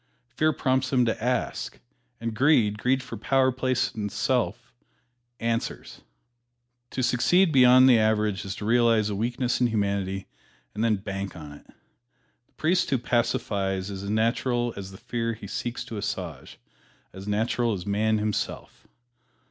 Fear prompts him to ask, and Greed greed for power, place and pelf answers. To succeed beyond the average is to realize a weakness in humanity and then bank on it. The priest who pacifies is as natural as the fear he seeks to assuage as natural as man himself.